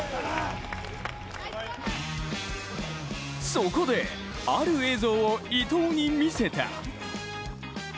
そこで、ある映像を伊東に見せた。